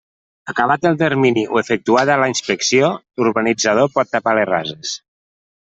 Acabat el termini o efectuada la inspecció, l'urbanitzador pot tapar les rases.